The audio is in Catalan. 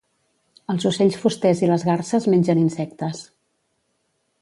Els ocells fusters i les garses mengen insectes.